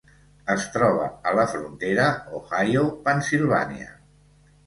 Es troba a la frontera Ohio-Pennsilvània.